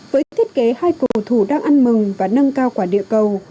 với thiết kế hai cầu thủ đang ăn mừng và nâng cao quả địa cầu